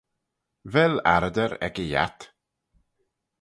Vel arreyder ec y yiat?